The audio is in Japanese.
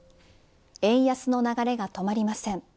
円安の流れが止まりません。